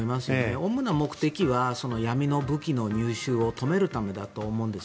主な目的は闇の武器の入手を止めるためだと思います。